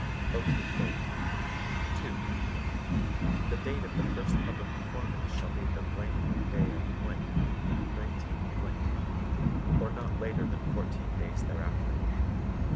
Opening Date 2. The date of the first public performance shall be the day of , 19 , or not later than fourteen days thereafter.